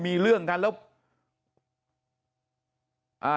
มีเรื่องกันแล้ว